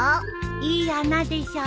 いい穴でしょ。